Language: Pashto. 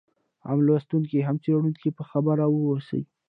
هم لوستونکی هم څېړونکی په خبر واوسي.